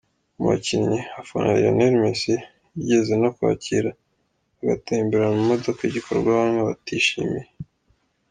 Mu bakinnyi afana Lionel Messi yigeze no kwakira bagatemberana mu modoka, igikorwa bamwe batishimiye.